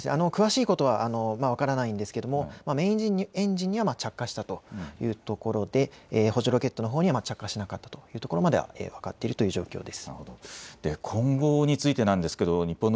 詳しいことは分からないんですがメインエンジンには着火したというところで、補助ロケットのほうには着火しなかったというところまでは分かっているという状況です。